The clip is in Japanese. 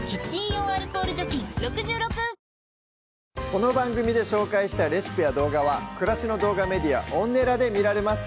この番組で紹介したレシピや動画は暮らしの動画メディアＯｎｎｅｌａで見られます